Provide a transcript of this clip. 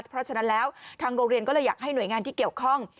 เพราะฉะนั้นแล้วทางโรงเรียนก็เลยอยากให้หน่วยงานที่เกี่ยวข้อง